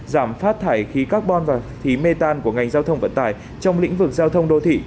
giảm phát thải khí carbon và khí mê tan của ngành giao thông vận tải trong lĩnh vực giao thông đô thị